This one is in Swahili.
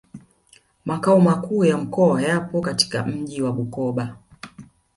Makao Makuu ya Mkoa yapo katika mji wa Bukoba u